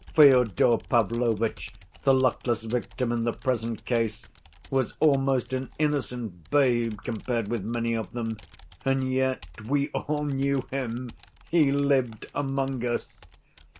Fyodor Pavlovitch, the luckless victim in the present case, was almost an innocent babe compared with many of them. And yet we all knew him, 'he lived among us!